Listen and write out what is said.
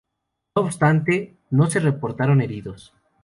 No obstante, no se reportaron heridos.